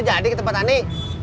lo jadi ke tempat ani